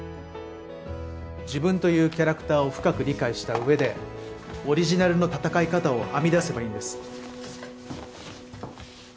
自分というキャラクターを深く理解した上でオリジナルの戦い方を編み出せばいいんです。